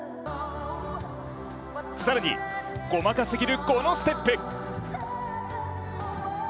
更に、細かすぎるこのステップ。